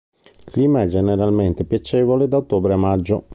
Il clima è generalmente piacevole da ottobre a maggio.